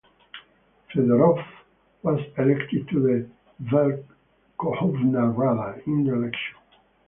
Fedorov was elected to the Verkhovna Rada in the election.